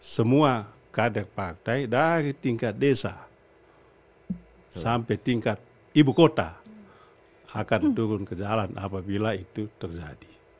semua kader partai dari tingkat desa sampai tingkat ibu kota akan turun ke jalan apabila itu terjadi